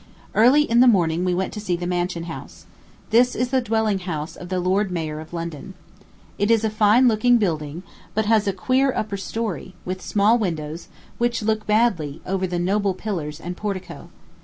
Early in the morning we went to see the Mansion House. This is the dwelling house of the lord mayor of London. It is a fine looking building, but has a queer upper story, with small windows, which look badly, over the noble pillars and portico.